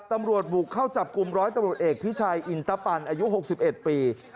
ตำรวจบุกเข้าจับกลุ่มร้อยตำรวจเอกพิชัยอินตปันอายุ๖๑ปี